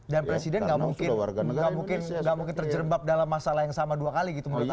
dan presiden gak mungkin terjebab dalam masalah yang sama dua kali gitu menurut anda pak